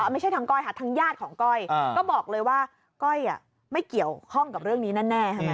ไม่ใช่ทางก้อยค่ะทางญาติของก้อยก็บอกเลยว่าก้อยไม่เกี่ยวข้องกับเรื่องนี้แน่ใช่ไหม